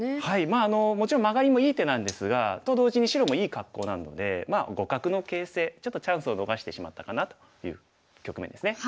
まあもちろんマガリもいい手なんですがと同時に白もいい格好なので互角の形勢ちょっとチャンスを逃してしまったかなという局面ですね。